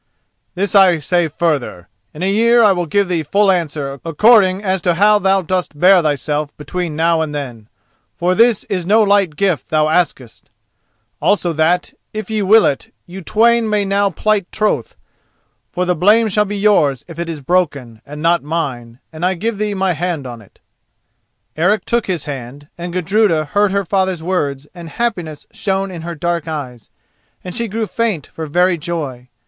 "This I say further: in a year I will give thee full answer according as to how thou dost bear thyself between now and then, for this is no light gift thou askest; also that, if ye will it, you twain may now plight troth, for the blame shall be yours if it is broken, and not mine, and I give thee my hand on it." Eric took his hand, and Gudruda heard her father's words and happiness shone in her dark eyes, and she grew faint for very joy.